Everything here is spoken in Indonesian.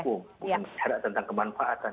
bukan bicara tentang kemanfaatan